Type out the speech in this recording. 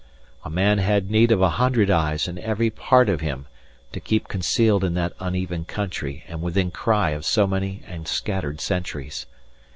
A man had need of a hundred eyes in every part of him, to keep concealed in that uneven country and within cry of so many and scattered sentries.